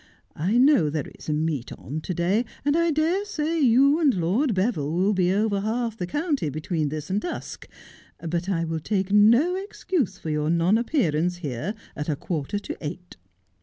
I know there is a meet on to day, and I dare say you and Lord Beville will be over half the county between this and dusk, but I will take no excuse for your non appearance here at a quarter to eight.'